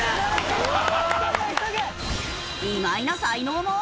意外な才能も。